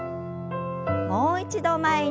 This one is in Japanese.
もう一度前に。